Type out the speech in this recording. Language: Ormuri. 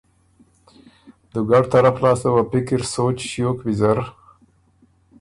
دوګډ طرف لاسته وه پِکِر سوچ ݭیوک ویزر